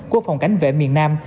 của phòng cảnh vệ miền nam